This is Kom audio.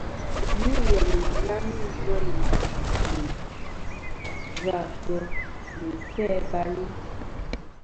Yi lem ighami ŋweyn alim, jvafef nɨ isæ-bal-i.